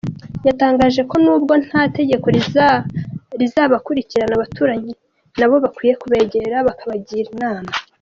Yatangaje ko nubwo nta tegeko rizabakurikirana, abaturanyi nabo bakwiye kubegera bakabagira inama.